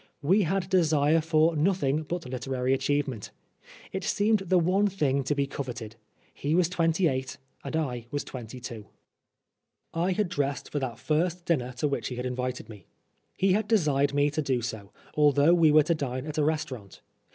We had desire for nothing but literary achieve ment. It seemed the one thing to be coveted. He was twenty eight and I was twenty two. I had dressed for that first dinner to which he had invited me. He had desired me to do so, although we were to dine at a restaurant.